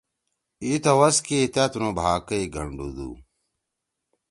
اِی توَس کی تأ تنُو بھا کئی گھنڈُودُو؟ ڙُوئیل بنَئی: